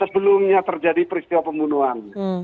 sebelumnya terjadi peristiwa pembunuhan